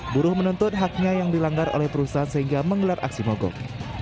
buruh menuntut haknya yang dilanggar oleh perusahaan sehingga menggelar aksi mogok